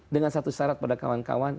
dengan satu syarat pada kawan kawan